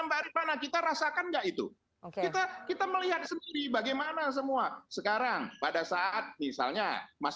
mbak rifana kita rasakan enggak itu kita kita melihat sendiri bagaimana semua sekarang pada saat misalnya mas